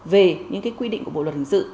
về những quy định của bộ luật hình sự